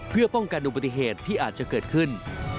เพื่อป้องกันอุบัติเหตุที่อาจจะเกิดขึ้น